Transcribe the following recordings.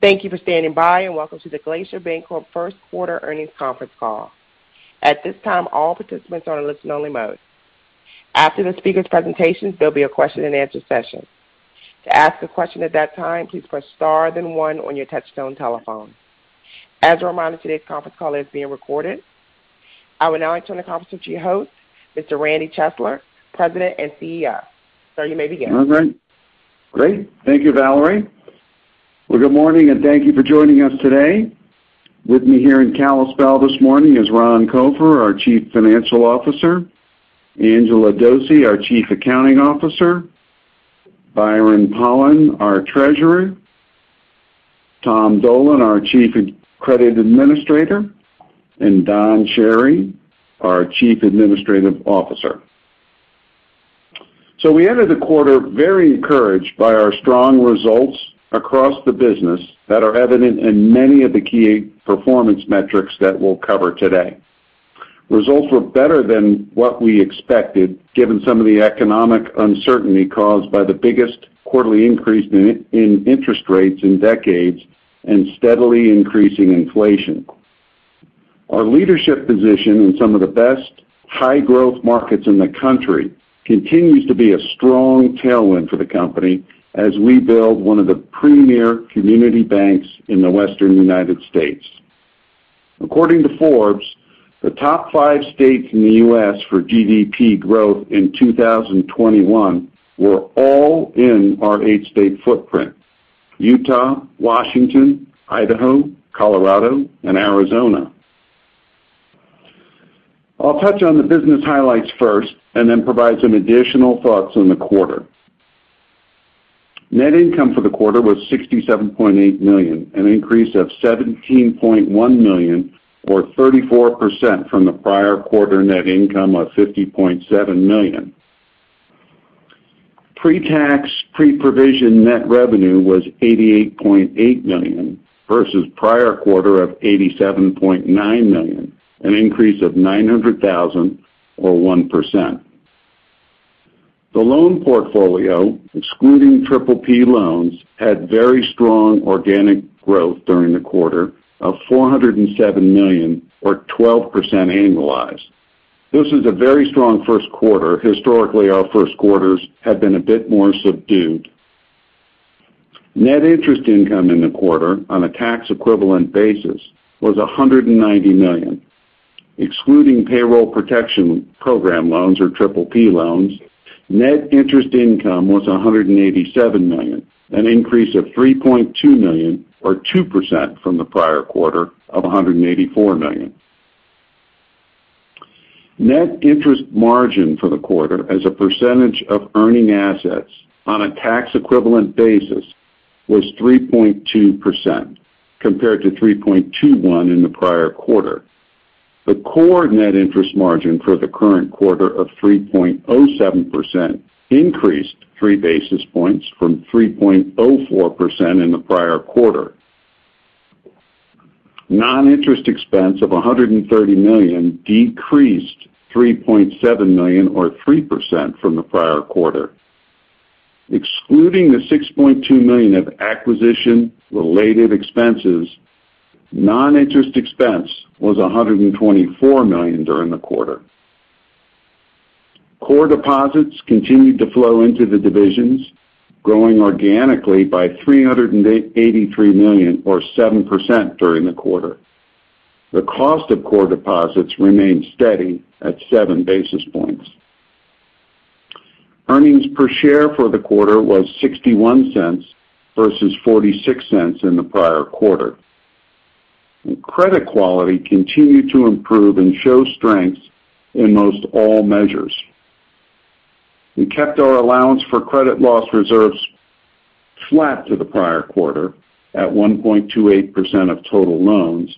Thank you for standing by, and welcome to the Glacier Bancorp First Quarter Earnings Conference Call. At this time, all participants are in listen-only mode. After the speaker's presentation, there'll be a question-and-answer session. To ask a question at that time, please press star then one on your touchtone telephone. As a reminder, today's conference call is being recorded. I would now like to turn the conference to your host, Mr. Randy Chesler, President and CEO. Sir, you may begin. All right. Great. Thank you, Valerie. Well, good morning, and thank you for joining us today. With me here in Kalispell this morning is Ron Copher, our Chief Financial Officer, Angela Dose, our Chief Accounting Officer, Byron Pollan, our Treasurer, Tom Dolan, our Chief Credit Administrator, and Don Chery, our Chief Administrative Officer. We ended the quarter very encouraged by our strong results across the business that are evident in many of the key performance metrics that we'll cover today. Results were better than what we expected, given some of the economic uncertainty caused by the biggest quarterly increase in interest rates in decades and steadily increasing inflation. Our leadership position in some of the best high-growth markets in the country continues to be a strong tailwind for the company as we build one of the premier community banks in the Western United States. According to Forbes, the top five states in the U.S. for GDP growth in 2021 were all in our eight-state footprint, Utah, Washington, Idaho, Colorado, and Arizona. I'll touch on the business highlights first and then provide some additional thoughts on the quarter. Net income for the quarter was $67.8 million, an increase of $17.1 million or 34% from the prior quarter net income of $50.7 million. Pre-tax, pre-provision net revenue was $88.8 million versus prior quarter of $87.9 million, an increase of $900,000 or 1%. The loan portfolio, excluding PPP loans, had very strong organic growth during the quarter of $407 million or 12% annualized. This is a very strong first quarter. Historically, our first quarters have been a bit more subdued. Net interest income in the quarter on a tax-equivalent basis was $190 million. Excluding Paycheck Protection Program loans or PPP loans, net interest income was $187 million, an increase of $3.2 million or 2% from the prior quarter of $184 million. Net interest margin for the quarter as a percentage of earning assets on a tax-equivalent basis was 3.2% compared to 3.21% in the prior quarter. The core net interest margin for the current quarter of 3.07% increased 3 basis points from 3.04% in the prior quarter. Non-interest expense of $130 million decreased $3.7 million or 3% from the prior quarter. Excluding the $6.2 million of acquisition-related expenses, non-interest expense was $124 million during the quarter. Core deposits continued to flow into the divisions, growing organically by $383 million or 7% during the quarter. The cost of core deposits remained steady at 7 basis points. Earnings per share for the quarter was $0.61 versus $0.46 in the prior quarter. Credit quality continued to improve and show strength in most all measures. We kept our allowance for credit loss reserves flat to the prior quarter at 1.28% of total loans,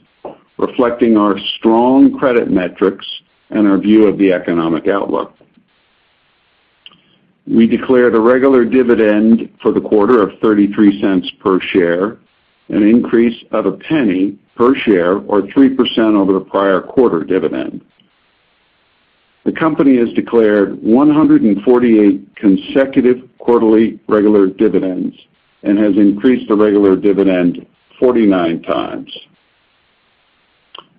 reflecting our strong credit metrics and our view of the economic outlook. We declared a regular dividend for the quarter of $0.33 per share, an increase of $0.01 per share or 3% over the prior quarter dividend. The company has declared 148 consecutive quarterly regular dividends and has increased the regular dividend 49x.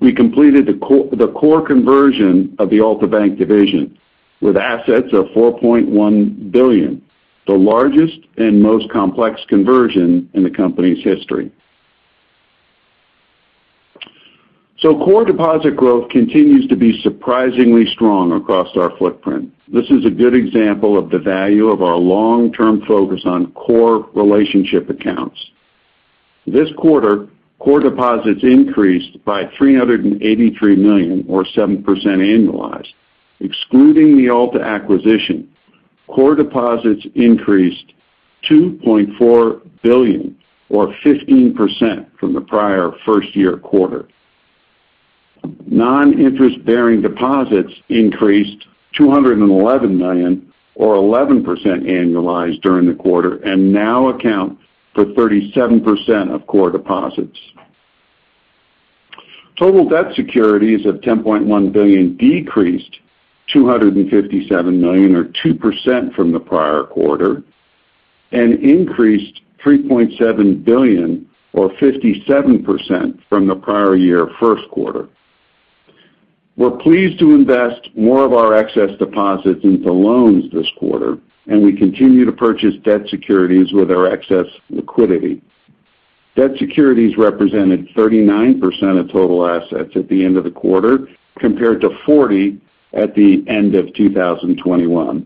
We completed the core conversion of the Altabank division, with assets of $4.1 billion, the largest and most complex conversion in the company's history. Core deposit growth continues to be surprisingly strong across our footprint. This is a good example of the value of our long-term focus on core relationship accounts. This quarter, core deposits increased by $383 million or 7% annualized. Excluding the Altabank acquisition, core deposits increased $2.4 billion or 15% from the prior first-year quarter. Non-interest-bearing deposits increased $211 million or 11% annualized during the quarter and now account for 37% of core deposits. Total debt securities of $10.1 billion decreased $257 million or 2% from the prior quarter and increased $3.7 billion or 57% from the prior year first quarter. We're pleased to invest more of our excess deposits into loans this quarter, and we continue to purchase debt securities with our excess liquidity. Debt securities represented 39% of total assets at the end of the quarter, compared to 40% at the end of 2021.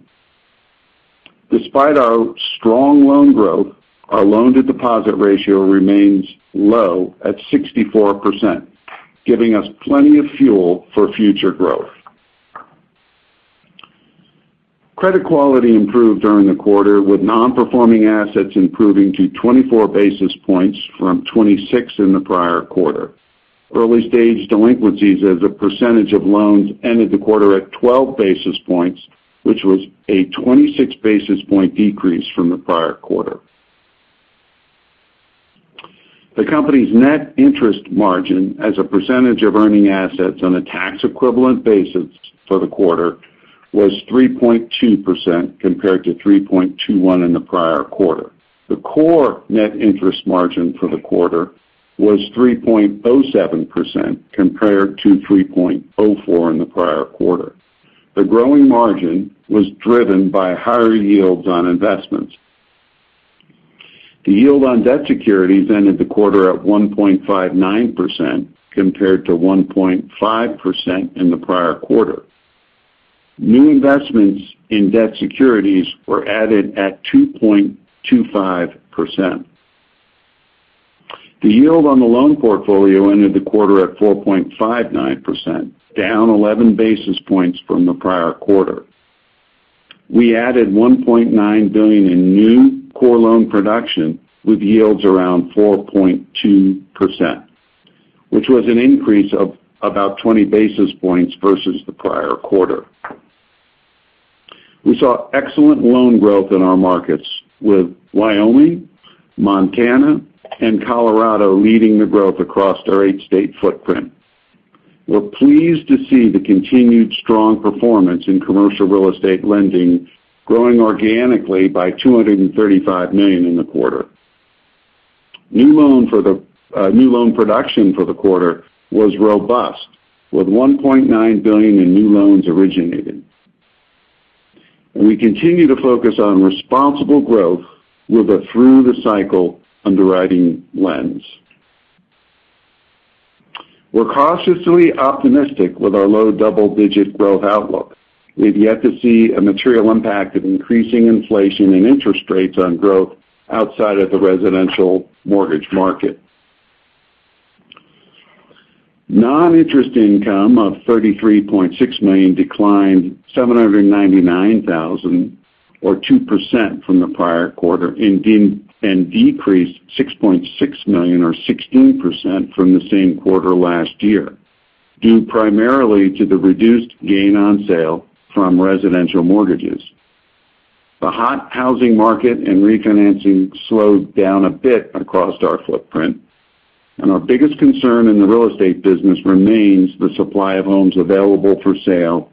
Despite our strong loan growth, our loan-to-deposit ratio remains low at 64%, giving us plenty of fuel for future growth. Credit quality improved during the quarter, with non-performing assets improving to 24 basis points from 26 in the prior quarter. Early-stage delinquencies as a percentage of loans ended the quarter at 12 basis points, which was a 26 basis point decrease from the prior quarter. The company's net interest margin as a percentage of earning assets on a tax-equivalent basis for the quarter was 3.2% compared to 3.21% in the prior quarter. The core net interest margin for the quarter was 3.07% compared to 3.04% in the prior quarter. The growing margin was driven by higher yields on investments. The yield on debt securities ended the quarter at 1.59% compared to 1.5% in the prior quarter. New investments in debt securities were added at 2.25%. The yield on the loan portfolio ended the quarter at 4.59%, down 11 basis points from the prior quarter. We added $1.9 billion in new core loan production with yields around 4.2%, which was an increase of about 20 basis points versus the prior quarter. We saw excellent loan growth in our markets, with Wyoming, Montana, and Colorado leading the growth across our eight-state footprint. We're pleased to see the continued strong performance in commercial real estate lending growing organically by $235 million in the quarter. New loan production for the quarter was robust, with $1.9 billion in new loans originated. We continue to focus on responsible growth with a through-the-cycle underwriting lens. We're cautiously optimistic with our low double-digit growth outlook. We've yet to see a material impact of increasing inflation and interest rates on growth outside of the residential mortgage market. Non-interest income of $33.6 million declined $799,000 or 2% from the prior quarter and decreased $6.6 million or 16% from the same quarter last year, due primarily to the reduced gain on sale from residential mortgages. The hot housing market and refinancing slowed down a bit across our footprint, and our biggest concern in the real estate business remains the supply of homes available for sale,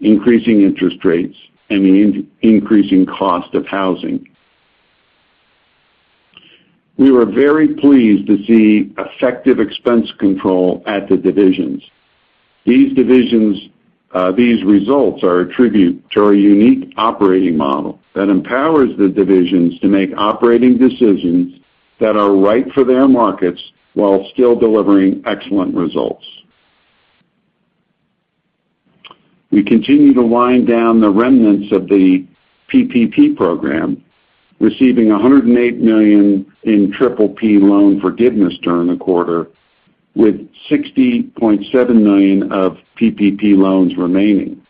increasing interest rates, and the increasing cost of housing. We were very pleased to see effective expense control at the divisions. These divisions, these results are a tribute to our unique operating model that empowers the divisions to make operating decisions that are right for their markets while still delivering excellent results. We continue to wind down the remnants of the PPP program, receiving $108 million in PPP loan forgiveness during the quarter, with $60.7 million of PPP loans remaining.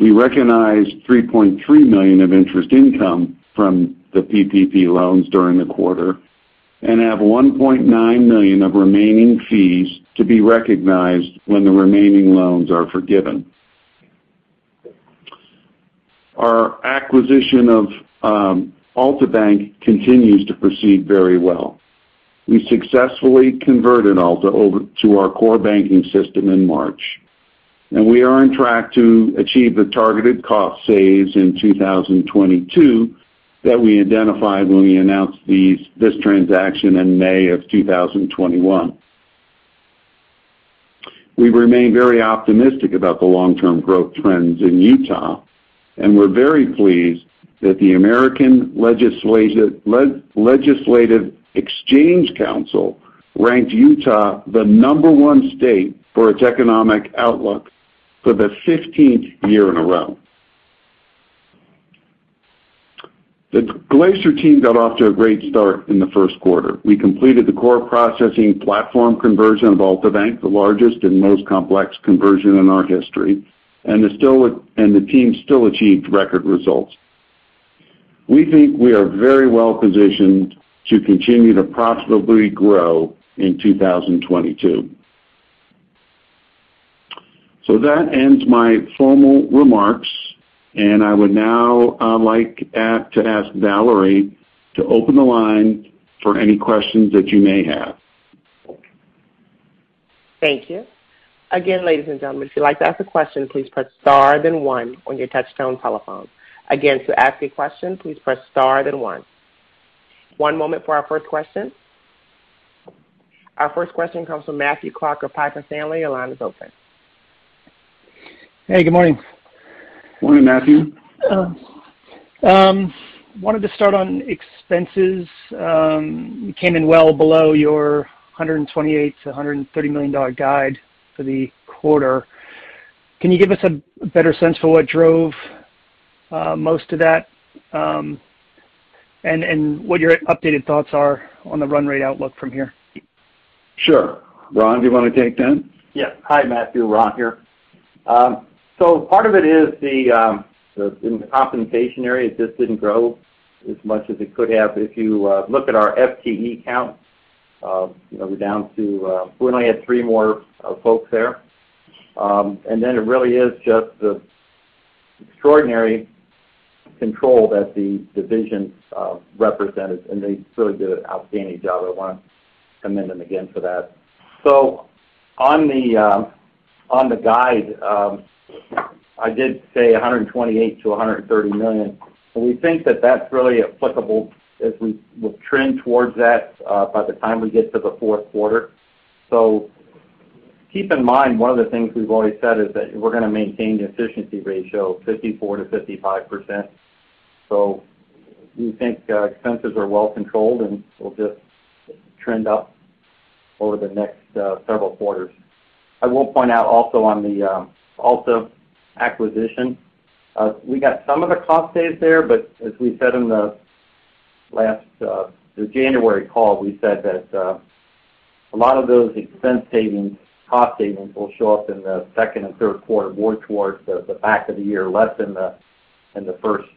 We recognized $3.3 million of interest income from the PPP loans during the quarter and have $1.9 million of remaining fees to be recognized when the remaining loans are forgiven. Our acquisition of Altabank continues to proceed very well. We successfully converted Altabank over to our core banking system in March, and we are on track to achieve the targeted cost saves in 2022 that we identified when we announced this transaction in May of 2021. We remain very optimistic about the long-term growth trends in Utah, and we're very pleased that the American Legislative Exchange Council ranked Utah the number one state for its economic outlook for the 15th year in a row. The Glacier team got off to a great start in the first quarter. We completed the core processing platform conversion of Altabank, the largest and most complex conversion in our history, and the team still achieved record results. We think we are very well-positioned to continue to profitably grow in 2022. That ends my formal remarks, and I would now like to ask Valerie to open the line for any questions that you may have. Thank you. Again, ladies and gentlemen, if you'd like to ask a question, please press star then one on your touchtone telephone. Again, to ask a question, please press star then one. One moment for our first question. Our first question comes from Matthew Clark of Piper Sandler. Your line is open. Hey, good morning. Morning, Matthew. I wanted to start on expenses. You came in well below your $128 million-$130 million guide for the quarter. Can you give us a better sense for what drove most of that, and what your updated thoughts are on the run rate outlook from here? Sure. Ron, do you want to take that? Yes. Hi, Matthew, Ron here. Part of it is the in the compensation area, it just didn't grow as much as it could have. If you look at our FTE count, you know, we're down to we only had three more folks there. It really is just the extraordinary control that the divisions represented, and they really did an outstanding job. I want to commend them again for that. On the guide, I did say $128 million-$130 million. We think that that's really applicable as we will trend towards that by the time we get to the fourth quarter. Keep in mind, one of the things we've always said is that we're going to maintain the efficiency ratio 54%-55%. We think expenses are well controlled and will just trend up over the next several quarters. I will point out also on the Altabank acquisition, we got some of the cost savings there, but as we said in the last January call, we said that a lot of those expense savings, cost savings will show up in the second and third quarter, more towards the back of the year, less in the first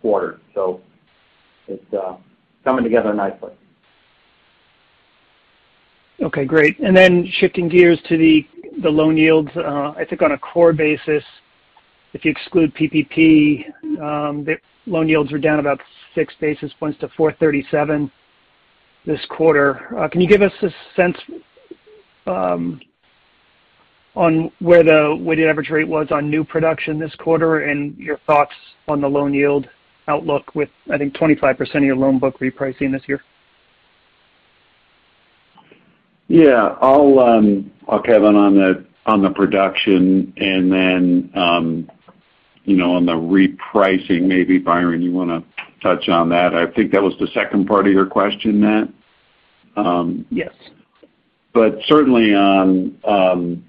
quarter. It's coming together nicely. Okay, great. Shifting gears to the loan yields, I think on a core basis, if you exclude PPP, the loan yields are down about six basis points to 4.37 this quarter. Can you give us a sense on where the weighted average rate was on new production this quarter and your thoughts on the loan yield outlook with, I think, 25% of your loan book repricing this year? Yeah. I'll have Kevin on the production and then, you know, on the repricing. Maybe Byron, you want to touch on that? I think that was the second part of your question, Matt. Yes. Certainly on,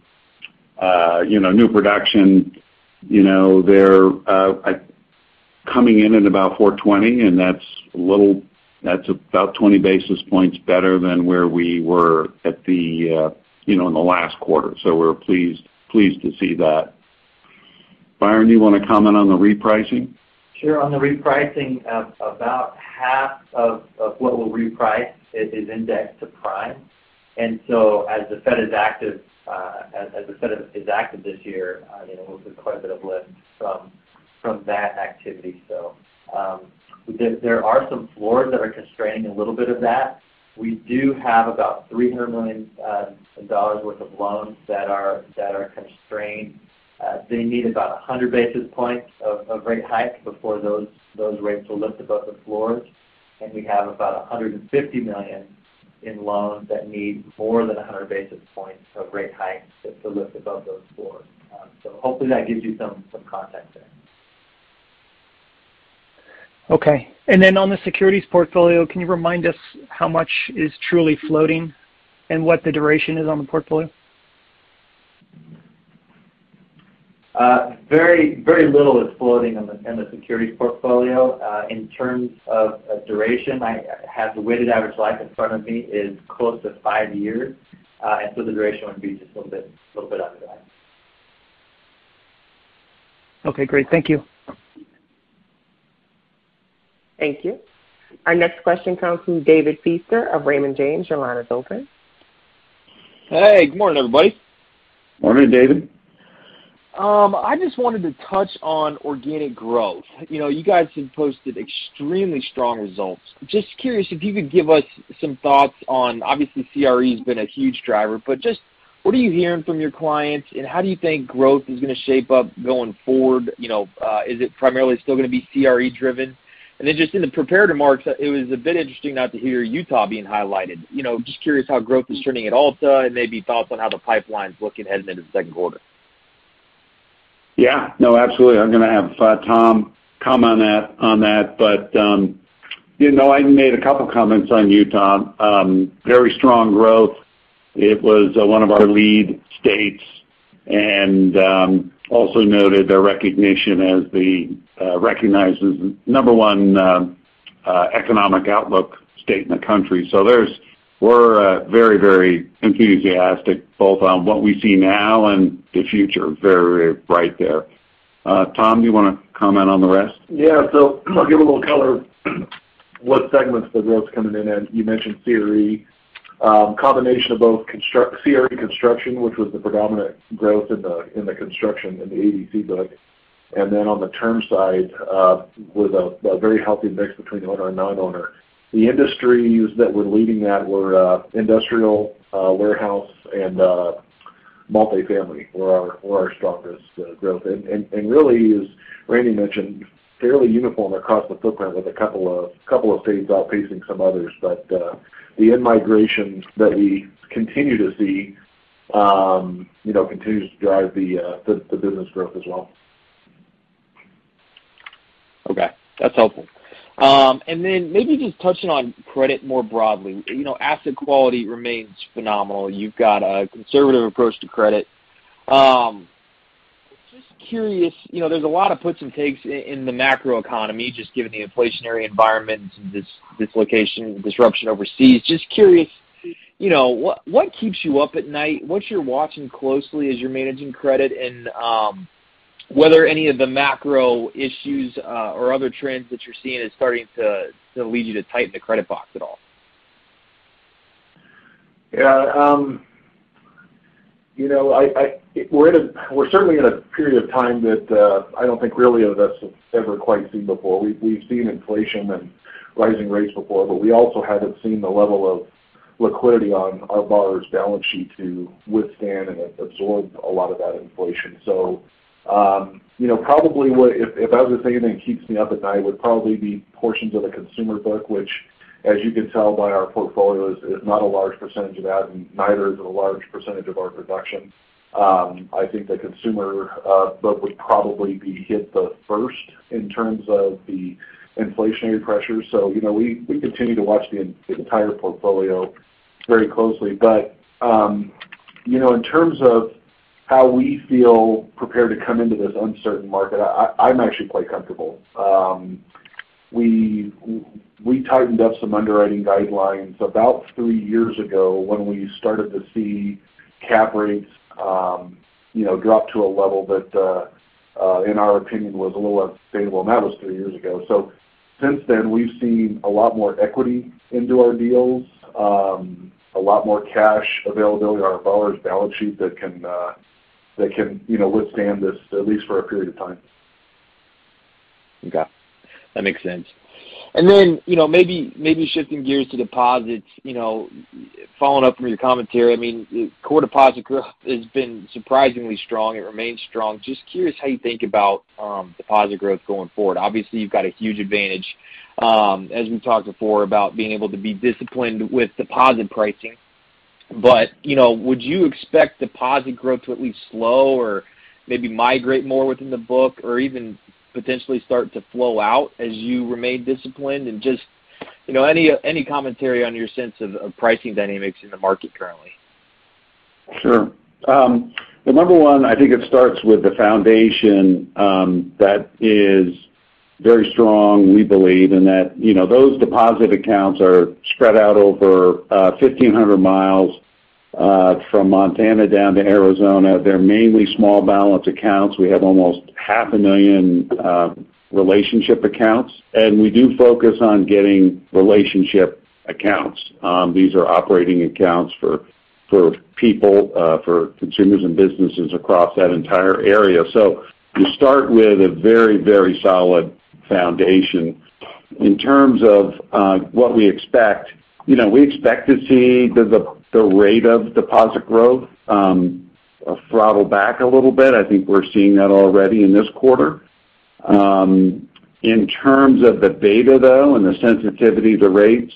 you know, new production, you know, they're coming in at about 4.20, and that's about 20 basis points better than where we were at the, you know, in the last quarter. So we're pleased to see that. Byron, you want to comment on the repricing? Sure. On the repricing, about half of what we'll reprice is indexed to prime. As the Fed is active this year, you know, we'll get quite a bit of lift from that activity. There are some floors that are constraining a little bit of that. We do have about $300 million worth of loans that are constrained. They need about 100 basis points of rate hike before those rates will lift above the floors. We have about $150 million in loans that need more than 100 basis points of rate hikes to lift above those floors. Hopefully that gives you some context there. Okay. On the securities portfolio, can you remind us how much is truly floating and what the duration is on the portfolio? Very little is floating in the securities portfolio. In terms of duration, I have the weighted average life in front of me is close to five years. The duration would be just a little bit under that. Okay, great. Thank you. Thank you. Our next question comes from David Feaster of Raymond James. Your line is open. Hey, good morning, everybody. Morning, David. I just wanted to touch on organic growth. You know, you guys have posted extremely strong results. Just curious if you could give us some thoughts on, obviously, CRE has been a huge driver, but just what are you hearing from your clients, and how do you think growth is going to shape up going forward? You know, is it primarily still going to be CRE driven? Just in the prepared remarks, it was a bit interesting not to hear Utah being highlighted. You know, just curious how growth is trending at Altabank and maybe thoughts on how the pipeline's looking heading into the second quarter. Yeah. No, absolutely. I'm going to have Tom comment on that. You know, I made a couple of comments on Utah. Very strong growth. It was one of our lead states. Also noted their recognition as the number one economic outlook state in the country. We're very enthusiastic both on what we see now and the future. Very bright there. Tom, do you want to comment on the rest? Yeah. I'll give a little color. What segments the growth's coming in, and you mentioned CRE. Combination of both CRE construction, which was the predominant growth in the construction in the ADC book. Then on the term side, with a very healthy mix between owner and non-owner. The industries that we're leading that were industrial, warehouse and multifamily were our strongest growth. Really as Randy mentioned, fairly uniform across the footprint with a couple of states outpacing some others. The in-migration that we continue to see, you know, continues to drive the business growth as well. Okay. That's helpful. And then maybe just touching on credit more broadly. You know, asset quality remains phenomenal. You've got a conservative approach to credit. Just curious, you know, there's a lot of puts and takes in the macroeconomy, just given the inflationary environment and dislocation, disruption overseas. Just curious, you know, what keeps you up at night? What you're watching closely as you're managing credit? Whether any of the macro issues or other trends that you're seeing is starting to lead you to tighten the credit box at all? Yeah, you know, we're certainly in a period of time that I don't think really any of us have ever quite seen before. We've seen inflation and rising rates before, but we also haven't seen the level of liquidity on our borrowers' balance sheet to withstand and absorb a lot of that inflation. You know, probably if I was to say anything keeps me up at night would probably be portions of the consumer book, which, as you can tell by our portfolios, is not a large percentage of that, and neither is it a large percentage of our production. I think the consumer book would probably be hit first in terms of the inflationary pressure. You know, we continue to watch the entire portfolio very closely. You know, in terms of how we feel prepared to come into this uncertain market, I'm actually quite comfortable. We tightened up some underwriting guidelines about three years ago when we started to see cap rates, you know, drop to a level that, in our opinion was a little unsustainable, and that was three years ago. Since then, we've seen a lot more equity into our deals, a lot more cash availability on our borrowers' balance sheet that can, you know, withstand this at least for a period of time. Okay. That makes sense. You know, maybe shifting gears to deposits. You know, following up from your commentary, I mean, core deposit growth has been surprisingly strong. It remains strong. Just curious how you think about deposit growth going forward. Obviously, you've got a huge advantage, as we talked before, about being able to be disciplined with deposit pricing. You know, would you expect deposit growth to at least slow or maybe migrate more within the book or even potentially start to flow out as you remain disciplined? Just, you know, any commentary on your sense of pricing dynamics in the market currently? Sure. Well, number one, I think it starts with the foundation that is very strong, we believe. That, you know, those deposit accounts are spread out over 1,500 miles from Montana down to Arizona. They're mainly small balance accounts. We have almost 500,000 relationship accounts, and we do focus on getting relationship accounts. These are operating accounts for people for consumers and businesses across that entire area. You start with a very, very solid foundation. In terms of what we expect, you know, we expect to see the rate of deposit growth throttle back a little bit. I think we're seeing that already in this quarter. In terms of the beta, though, and the sensitivity to rates,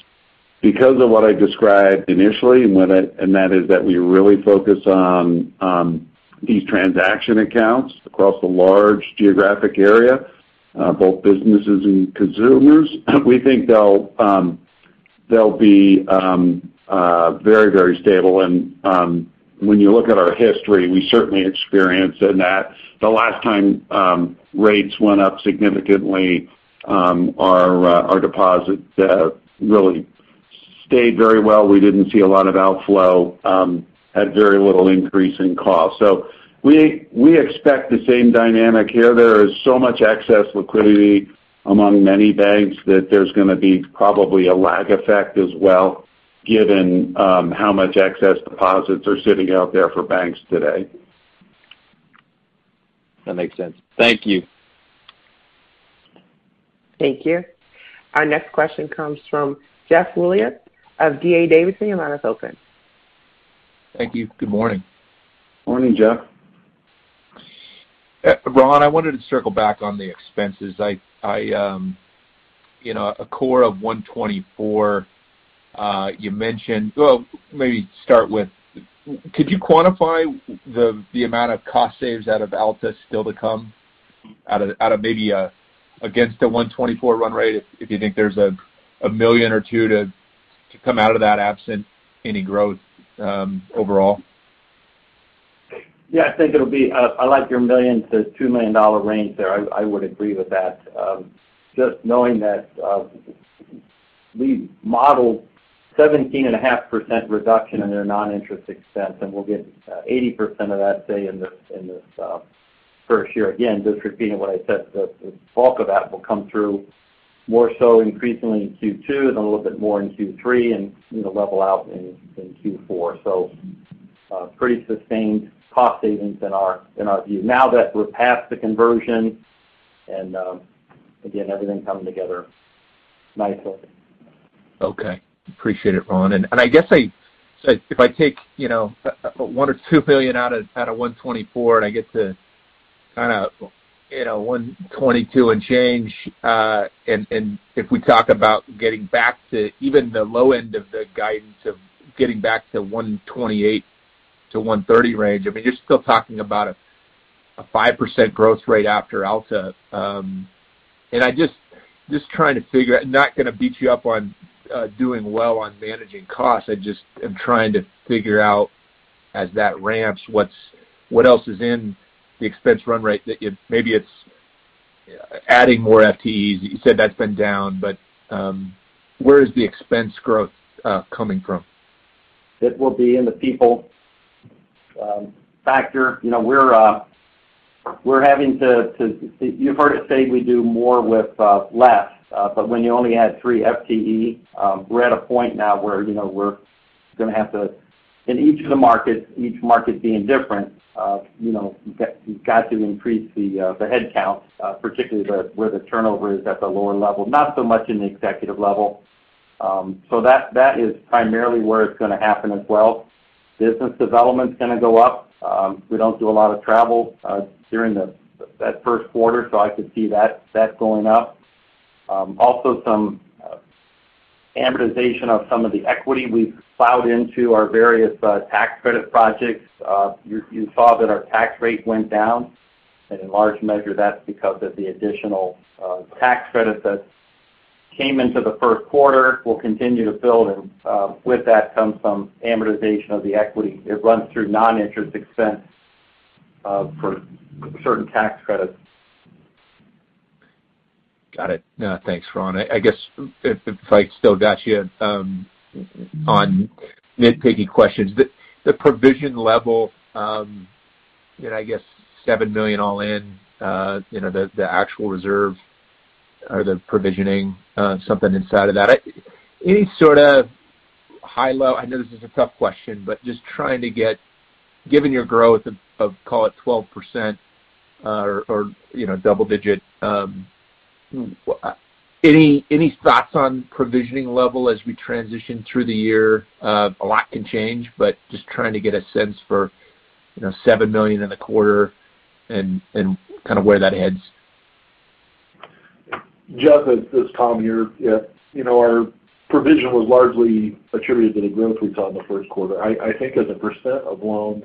because of what I described initially, and that is that we really focus on these transaction accounts across a large geographic area, both businesses and consumers, we think they'll be very stable. When you look at our history, we certainly experienced in that the last time rates went up significantly, our deposits really stayed very well. We didn't see a lot of outflow, had very little increase in cost. We expect the same dynamic here. There is so much excess liquidity among many banks that there's gonna be probably a lag effect as well, given how much excess deposits are sitting out there for banks today. That makes sense. Thank you. Thank you. Our next question comes from Jeff Rulis of D.A. Davidson. Your line is open. Thank you. Good morning. Morning, Jeff. Ron, I wanted to circle back on the expenses. I you know, a core of 124, you mentioned. Well, maybe start with, could you quantify the amount of cost savings out of Altabank still to come out of maybe against a 124 run rate, if you think there's a million or two to come out of that, absent any growth, overall? Yeah. I think it'll be. I like your $1 million-$2 million range there. I would agree with that. Just knowing that, we've modeled 17.5% reduction in their non-interest expense, and we'll get 80% of that, say, in the first year. Again, just repeating what I said, the bulk of that will come through more so increasingly in Q2 and a little bit more in Q3 and, you know, level out in Q4. Pretty sustained cost savings in our view. Now that we're past the conversion and, again, everything coming together nicely. Okay. Appreciate it, Ron. I guess I so if I take, you know, 1 or 2 billion out of 124, and I get to kinda, you know, 122 and change. If we talk about getting back to even the low end of the guidance of getting back to $128 billion-$130 billion range, I mean, you're still talking about a 5% growth rate after Alta. I just trying to figure out. Not gonna beat you up on doing well on managing costs. I just am trying to figure out as that ramps, what else is in the expense run rate that you've maybe it's adding more FTEs. You said that's been down, but where is the expense growth coming from? It will be in the people factor. You know, we're having to, you've heard us say we do more with less, but when you only add three FTE, we're at a point now where, you know, we're gonna have to in each of the markets, each market being different, you know, you've got to increase the headcount, particularly where the turnover is at the lower level. Not so much in the executive level. So that is primarily where it's gonna happen as well. Business development's gonna go up. We don't do a lot of travel during that first quarter, so I could see that going up. Also some amortization of some of the equity we've plowed into our various tax credit projects. You saw that our tax rate went down. In large measure, that's because of the additional tax benefit that came into the first quarter. We'll continue to build, with that comes some amortization of the equity. It runs through non-interest expense for certain tax credits. Got it. Thanks, Ron. I guess if I still got you on nitpicky questions. The provision level, and I guess $7 million all in, you know, the actual reserve or the provisioning, something inside of that. Any sort of high level. I know this is a tough question, but just trying to get, given your growth of, call it 12%, or, you know, double-digit, any thoughts on provisioning level as we transition through the year? A lot can change, but just trying to get a sense for, you know, $7 million in the quarter and kind of where that heads. Jeff, it's Tom here. Yeah. You know, our provision was largely attributed to the growth we saw in the first quarter. I think as a percent of loans,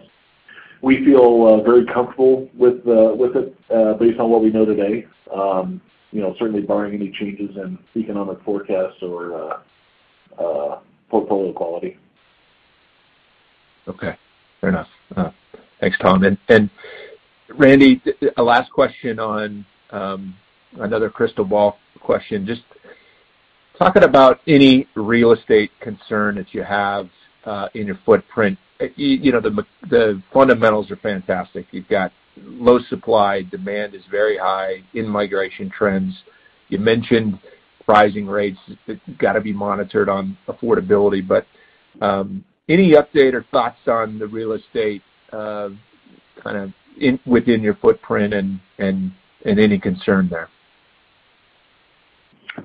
we feel very comfortable with it based on what we know today. You know, certainly barring any changes in economic forecasts or portfolio quality. Okay. Fair enough. Thanks, Tom. Randy, the last question on another crystal ball question. Just talking about any real estate concern that you have in your footprint. You know, the fundamentals are fantastic. You've got low supply. Demand is very high. In-migration trends. You mentioned pricing rates that gotta be monitored on affordability. Any update or thoughts on the real estate kind of within your footprint and any concern there?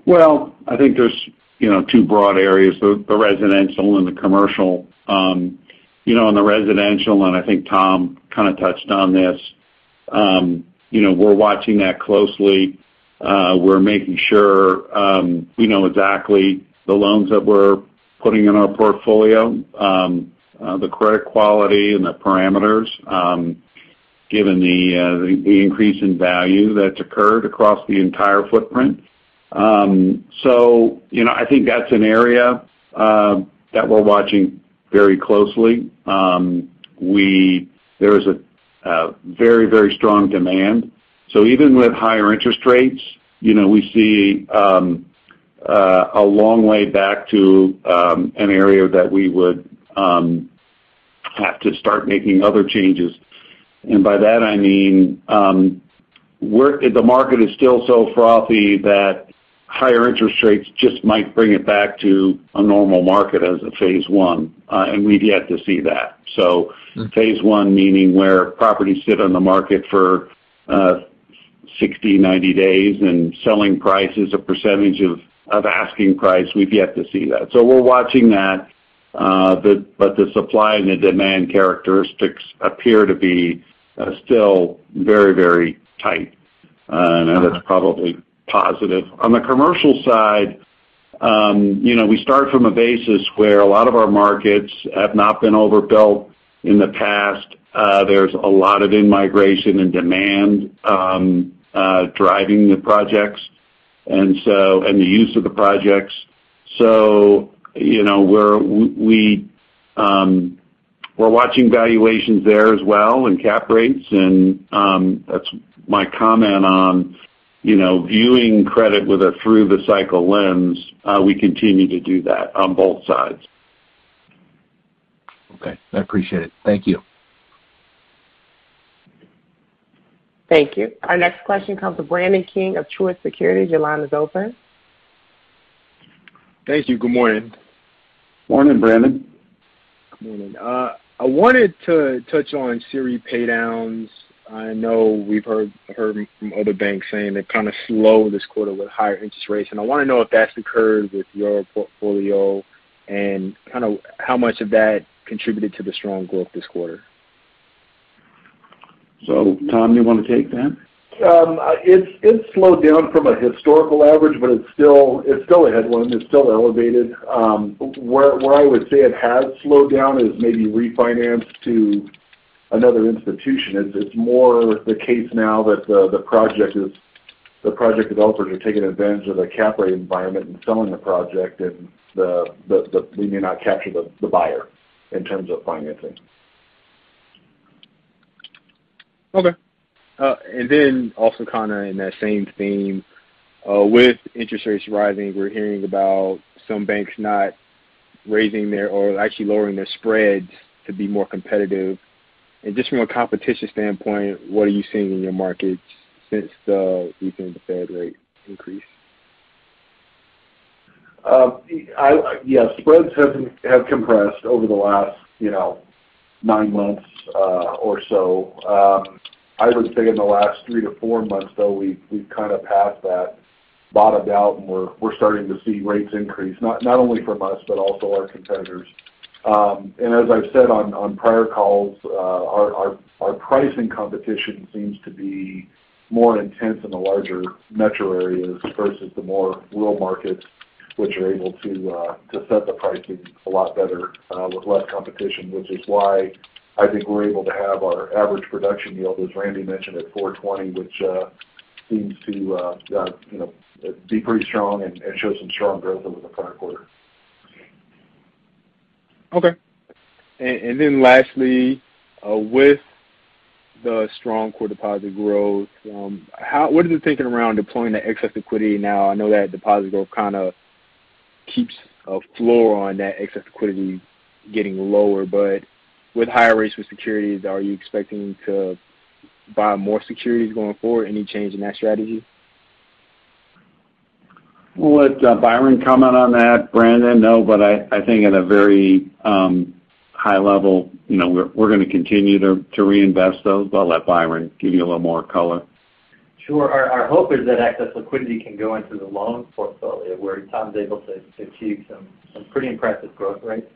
Well, I think there's, you know, two broad areas, the residential and the commercial. You know, on the residential, and I think Tom kind of touched on this, you know, we're watching that closely. We're making sure we know exactly the loans that we're putting in our portfolio, the credit quality and the parameters, given the increase in value that's occurred across the entire footprint. You know, I think that's an area that we're watching very closely. There is a very, very strong demand. Even with higher interest rates, you know, we see a long way back to an area that we would have to start making other changes. By that, I mean, the market is still so frothy that higher interest rates just might bring it back to a normal market as a phase one. We've yet to see that. Mm-hmm. Phase one meaning where properties sit on the market for 60, 90 days and selling price is a percentage of asking price. We've yet to see that. We're watching that. But the supply and the demand characteristics appear to be still very, very tight. And that's probably positive. On the commercial side, you know, we start from a basis where a lot of our markets have not been overbuilt in the past. There's a lot of in-migration and demand driving the projects, and the use of the projects. You know, we're watching valuations there as well and cap rates. That's my comment on, you know, viewing credit with a through the cycle lens. We continue to do that on both sides. Okay, I appreciate it. Thank you. Thank you. Our next question comes from Brandon King of Truist Securities. Your line is open. Thank you. Good morning. Morning, Brandon. Good morning. I wanted to touch on securities paydowns. I know we've heard from other banks saying they're kind of slow this quarter with higher interest rates. I wanna know if that's occurred with your portfolio and kind of how much of that contributed to the strong growth this quarter. Tom, do you wanna take that? It's slowed down from a historical average, but it's still a headwind. It's still elevated. Where I would say it has slowed down is maybe refinance to another institution. It's more the case now that the project developers are taking advantage of the cap rate environment and selling the project and we may not capture the buyer in terms of financing. Okay. And then also kinda in that same theme, with interest rates rising, we're hearing about some banks not raising their or actually lowering their spreads to be more competitive. Just from a competition standpoint, what are you seeing in your markets since the recent Fed rate increase? Spreads have compressed over the last, you know, nine months or so. I would say in the last three-four months, though, we've kind of passed that bottomed out, and we're starting to see rates increase, not only from us but also our competitors. As I've said on prior calls, our pricing competition seems to be more intense in the larger metro areas versus the more rural markets, which are able to set the pricing a lot better with less competition, which is why I think we're able to have our average production yield, as Randy mentioned, at 4.20%, which seems to be pretty strong and show some strong growth over the prior quarter. Okay. Lastly, with the strong core deposit growth, what is the thinking around deploying the excess liquidity now? I know that deposit growth kind of keeps a floor on that excess liquidity getting lower. With higher rates with securities, are you expecting to buy more securities going forward? Any change in that strategy? We'll let Byron comment on that, Brandon. No, but I think at a very high level, you know, we're gonna continue to reinvest those. I'll let Byron give you a little more color. Sure. Our hope is that excess liquidity can go into the loan portfolio, where Tom is able to achieve some pretty impressive growth rates.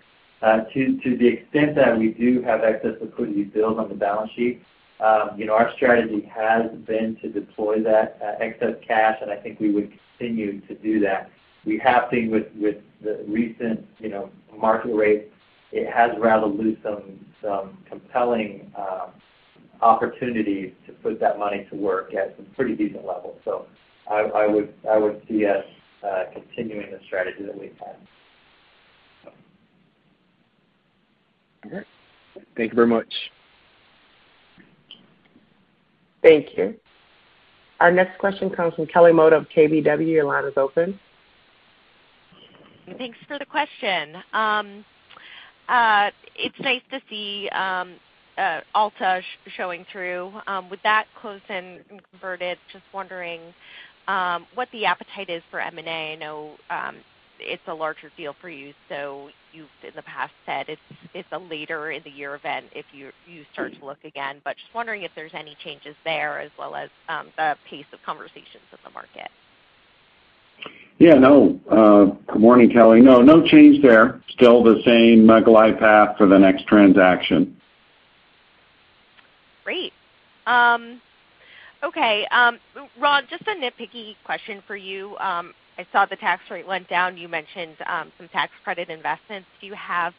To the extent that we do have excess liquidity build on the balance sheet, you know, our strategy has been to deploy that excess cash, and I think we would continue to do that. We have seen with the recent you know, market rates, it has allowed us to pursue some compelling opportunities to put that money to work at some pretty decent levels. I would see us continuing the strategy that we've had. All right. Thank you very much. Thank you. Our next question comes from Kelly Motta of KBW. Your line is open. Thanks for the question. It's nice to see Altabank showing through. With that closed and converted, just wondering what the appetite is for M&A. I know it's a larger deal for you, so you've in the past said it's a later in the year event if you start to look again. Just wondering if there's any changes there as well as the pace of conversations in the market. Yeah. No. Good morning, Kelly. No, no change there. Still the same glide path for the next transaction. Great. Okay, Ron, just a nitpicky question for you. I saw the tax rate went down. You mentioned some tax credit investments. Do you have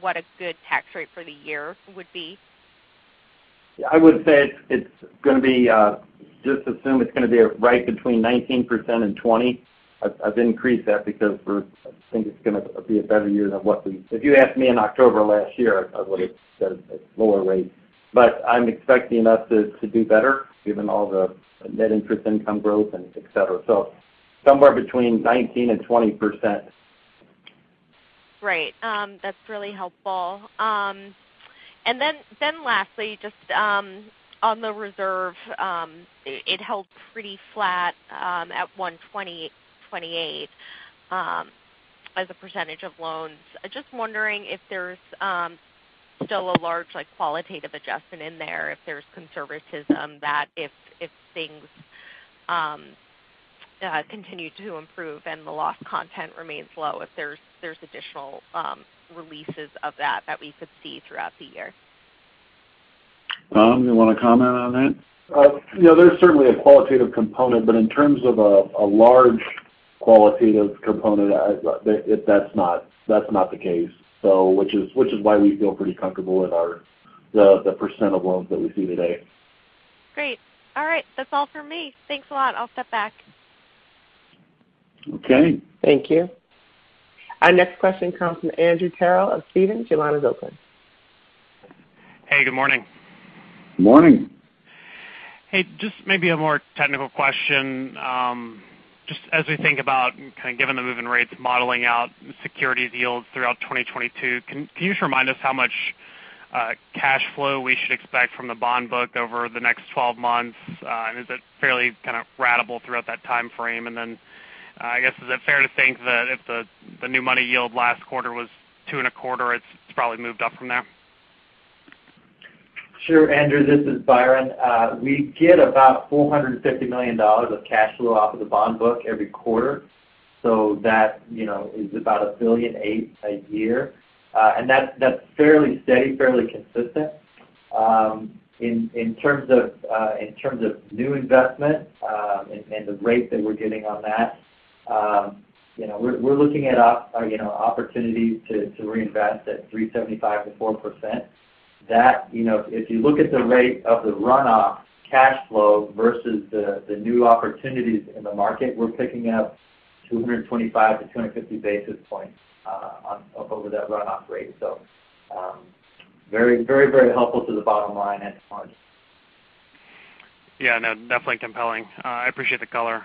what a good tax rate for the year would be? Yeah. I would say it's gonna be just assume it's gonna be right between 19% and 20%. I've increased that because I think it's gonna be a better year. If you asked me in October of last year, I would've said a lower rate. I'm expecting us to do better given all the net interest income growth and et cetera. Somewhere between 19% and 20%. Great. That's really helpful. Lastly, just on the reserve, it held pretty flat at 1.28% of loans. Just wondering if there's still a large, like, qualitative adjustment in there, if there's conservatism that if things continue to improve and the loss content remains low, if there's additional releases of that that we could see throughout the year. Tom, you wanna comment on that? You know, there's certainly a qualitative component, but in terms of a large qualitative component, that's not the case, which is why we feel pretty comfortable with the percent of loans that we see today. Great. All right. That's all for me. Thanks a lot. I'll step back. Okay. Thank you. Our next question comes from Andrew Terrell of Stephens. Your line is open. Hey, good morning. Morning. Hey, just maybe a more technical question. Just as we think about and kind of given the move in rates modeling out security deals throughout 2022, can you just remind us how much cash flow we should expect from the bond book over the next 12 months? Is it fairly kind of ratable throughout that time frame? I guess, is it fair to think that if the new money yield last quarter was 2.25%, it's probably moved up from there? Sure, Andrew, this is Byron. We get about $450 million of cash flow off of the bond book every quarter. So that, you know, is about $1.8 billion a year. And that's fairly steady, fairly consistent. In terms of new investment, and the rate that we're getting on that, you know, we're looking at opportunities to reinvest at 3.75%-4%. That, you know, if you look at the rate of the runoff cash flow versus the new opportunities in the market, we're picking up 225-250 basis points on up over that runoff rate. So, very helpful to the bottom line at the moment. Yeah, no, definitely compelling. I appreciate the color.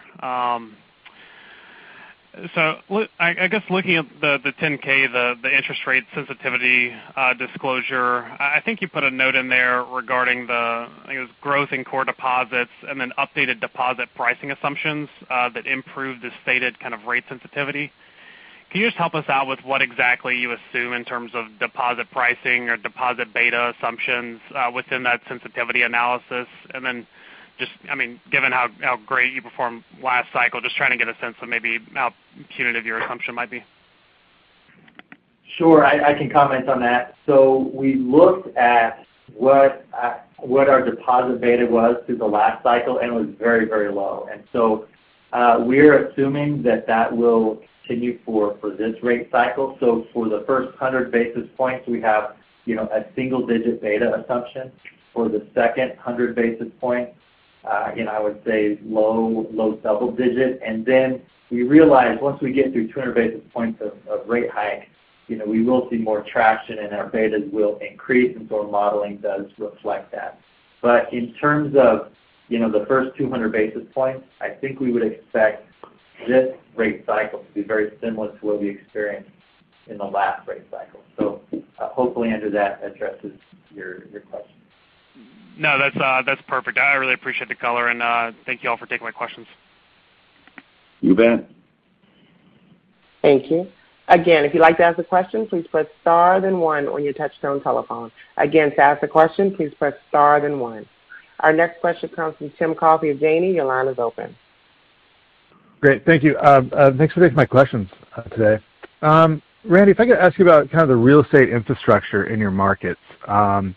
So I guess looking at the 10-K, the interest rate sensitivity disclosure, I think you put a note in there regarding, I think it was growth in core deposits and then updated deposit pricing assumptions that improved the stated kind of rate sensitivity. Can you just help us out with what exactly you assume in terms of deposit pricing or deposit beta assumptions within that sensitivity analysis? Then just, I mean, given how great you performed last cycle, just trying to get a sense of maybe how punitive your assumption might be. Sure. I can comment on that. We looked at what our deposit beta was through the last cycle, and it was very, very low. We're assuming that that will continue for this rate cycle. For the first 100 basis points, we have, you know, a single digit beta assumption. For the second 100 basis points, you know, I would say low, low double digit. We realize once we get through 200 basis points of rate hike, you know, we will see more traction and our betas will increase, and so our modeling does reflect that. In terms of, you know, the first 200 basis points, I think we would expect this rate cycle to be very similar to what we experienced in the last rate cycle. Hopefully, Andrew, that addresses your question. No, that's perfect. I really appreciate the color, and thank you all for taking my questions. You bet. Thank you. Again, if you'd like to ask a question, please press star then one on your touchtone telephone. Again, to ask a question, please press star then one. Our next question comes from Tim Coffey of Janney. Your line is open. Great. Thank you. Thanks for taking my questions today. Randy, if I could ask you about kind of the real estate infrastructure in your markets. You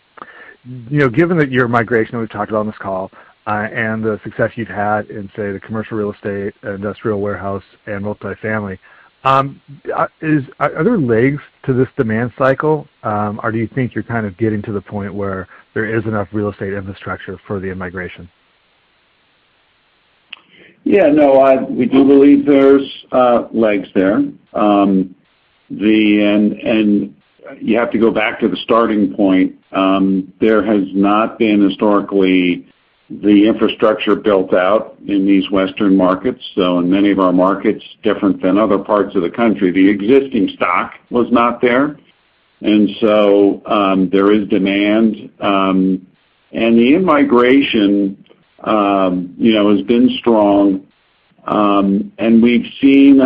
know, given that your migration, we've talked about on this call, and the success you've had in, say, the commercial real estate, industrial warehouse and multifamily, are there legs to this demand cycle? Or do you think you're kind of getting to the point where there is enough real estate infrastructure for the in-migration? Yeah, no, we do believe there's legs there. You have to go back to the starting point. There has not been historically the infrastructure built out in these western markets. In many of our markets, different than other parts of the country, the existing stock was not there. There is demand. The in-migration, you know, has been strong. We've seen,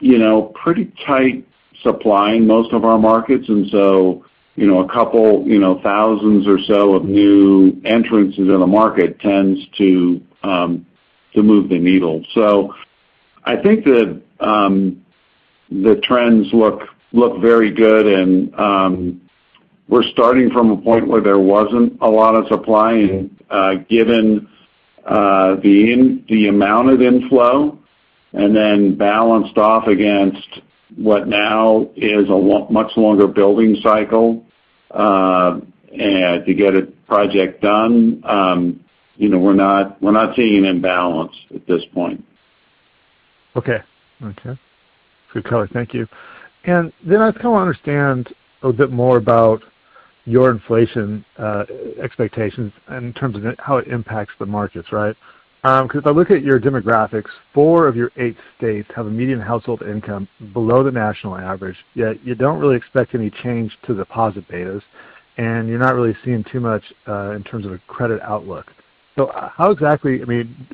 you know, pretty tight supply in most of our markets. You know, a couple thousand or so of new entrants in the market tends to move the needle. I think that the trends look very good and we're starting from a point where there wasn't a lot of supply. Given the amount of inflow and then balanced off against what now is a much longer building cycle to get a project done, you know, we're not seeing an imbalance at this point. Okay. Good color. Thank you. I just kinda wanna understand a bit more about your inflation expectations in terms of how it impacts the markets, right? Because if I look at your demographics, four of your eight states have a median household income below the national average, yet you don't really expect any change to deposit betas, and you're not really seeing too much in terms of a credit outlook. How exactly, I mean,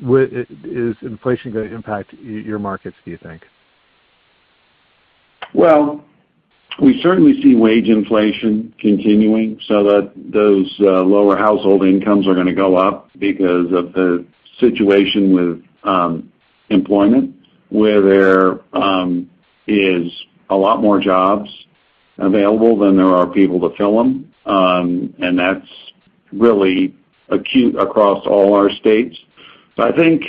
is inflation gonna impact your markets, do you think? Well, we certainly see wage inflation continuing so that those lower household incomes are gonna go up because of the situation with employment, where there is a lot more jobs available than there are people to fill them. That's really acute across all our states. I think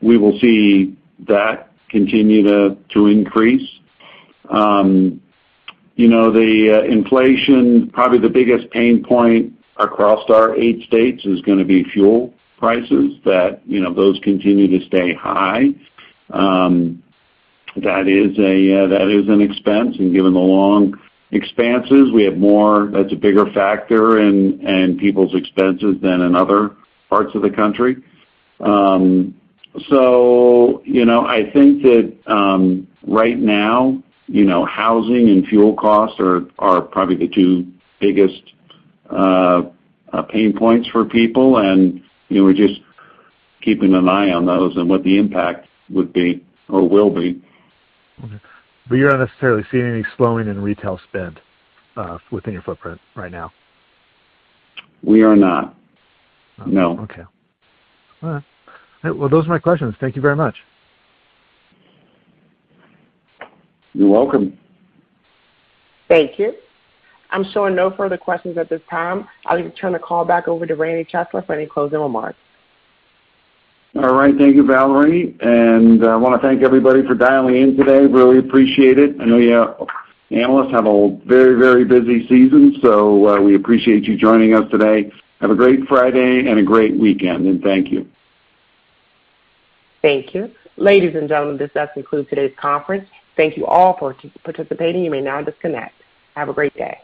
we will see that continue to increase. You know, the inflation, probably the biggest pain point across our eight states is gonna be fuel prices that, you know, those continue to stay high. That is an expense. Given the long expanses, that's a bigger factor in people's expenses than in other parts of the country. You know, I think that right now, you know, housing and fuel costs are probably the two biggest pain points for people. You know, we're just keeping an eye on those and what the impact would be or will be. Okay. You're not necessarily seeing any slowing in retail spend within your footprint right now? We are not. No. Okay. All right. Well, those are my questions. Thank you very much. You're welcome. Thank you. I'm showing no further questions at this time. I'll return the call back over to Randy Chesler for any closing remarks. All right. Thank you, Valerie. I wanna thank everybody for dialing in today. Really appreciate it. I know you analysts have a very, very busy season, so, we appreciate you joining us today. Have a great Friday and a great weekend, and thank you. Thank you. Ladies and gentlemen, this does conclude today's conference. Thank you all participating. You may now disconnect. Have a great day.